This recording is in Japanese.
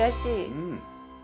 うん。